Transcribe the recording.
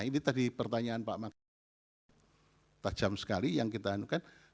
ini tadi pertanyaan pak makarim tajam sekali yang kita anukan